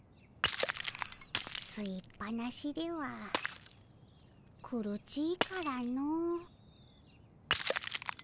すいっぱなしでは苦ちいからの。